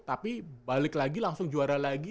tapi balik lagi langsung juara lagi